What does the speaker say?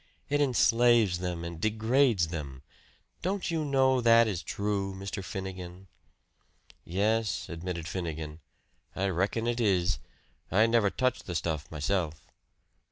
It enslaves them and degrades them. Don't you know that is true, Mr. Finnegan?" "Yes," admitted Finnegan, "I reckon it is. I never touch the stuff myself."